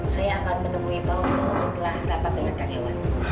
saya akan menemui pak hantu setelah rapat dengan karyawan